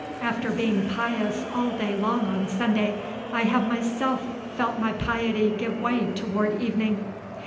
After being pious all day long on Sunday, I have myself felt my piety give way toward evening.